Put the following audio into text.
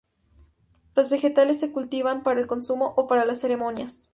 Los vegetales se cultivaban para el consumo o para las ceremonias.